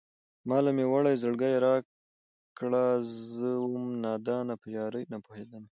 ما له مې وړی زړگی راکړه زه وم نادانه په يارۍ نه پوهېدمه